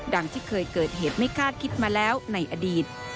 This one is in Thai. ที่เคยเกิดเหตุไม่คาดคิดมาแล้วในอดีต